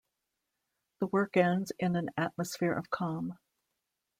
The work ends in an atmosphere of calm.